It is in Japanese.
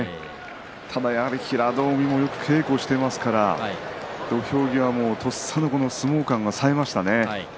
ただ、やはり平戸海もよく稽古をしていますから土俵際のとっさの相撲勘がさえましたね。